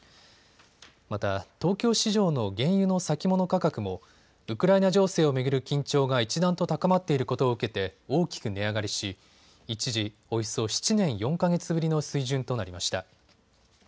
また東京市場の原油の先物価格もウクライナ情勢を巡る緊張が一段と高まっていることを受けて大きく値上がりし一時、およそ７年４か月ぶりの水準となりました。